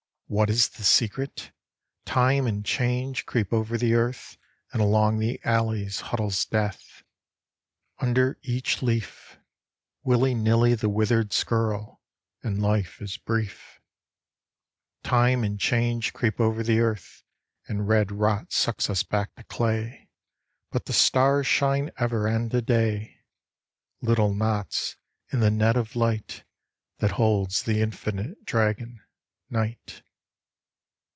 47 IN THE NET OF THE STARS What is the secret ? Time and Change Creep over the earth And along the alleys huddles death, Under each leaf ; Willy nilly the withered skirl, And Life is brief. Time and Change creep over the earth, And red rot sucks us back to clay ; But the stars shine ever and a day, Little knots in the net of light That holds the infinite dragon, Night.